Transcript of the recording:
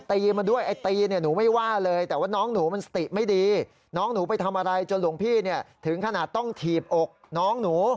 ถึงขนาดต้องถีบอกน้องหนู